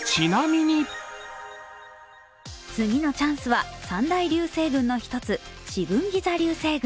次のチャンスは三大流星群の一つしぶんぎ座流星群。